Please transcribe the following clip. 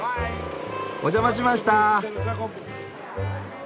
お邪魔しました！